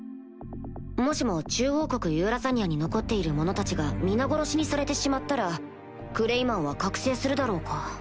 もしも獣王国ユーラザニアに残っている者たちが皆殺しにされてしまったらクレイマンは覚醒するだろうか？